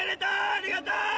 ありがとう！